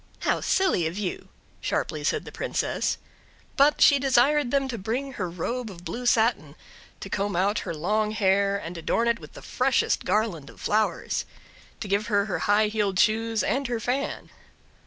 "How silly of you!" sharply said the Princess. But she desired them to bring her robe of blue satin, to comb out her long hair, and adorn it with the freshest garland of flowers; to give her her high heeled shoes, and her fan.